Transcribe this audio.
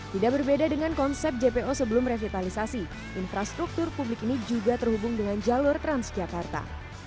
tidak berbeda dengan konsep jpo sebelum revitalisasi infrastruktur publik ini juga terhubung dengan jalur transjakarta